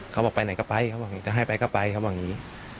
เขาบอกไปไหนก็ไปเขาบอกจะให้ไปก็ไปเขาบอกอย่างนี้